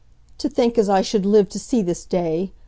"To think as I should live to see this day!